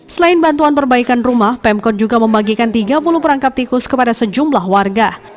selain bantuan perbaikan rumah pemkot juga membagikan tiga puluh perangkap tikus kepada sejumlah warga